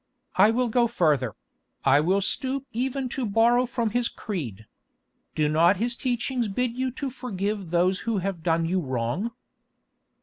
I will go further; I will stoop even to borrow from His creed. Do not His teachings bid you to forgive those who have done you wrong?"